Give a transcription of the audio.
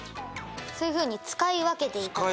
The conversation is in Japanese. そういう風に使い分けていたと。